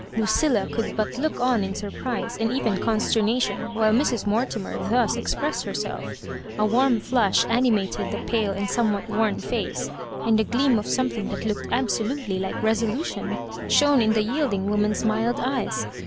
Lucilla could but look on m surprise and even consternation, while Mrs. Mortimer thus ex pressed hersel£ A warm flush animated the pale and somewhat worn fiice— and a gleam of something that looked absolutely like resolution, shone in the yielding woman's mild eyes.